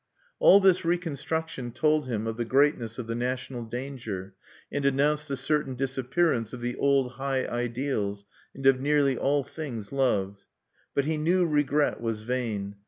All this reconstruction told him of the greatness of the national danger, and announced the certain disappearance of the old high ideals, and of nearly all things loved. But he knew regret was vain.